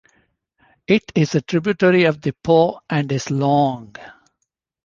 It is a tributary of the Po and is long.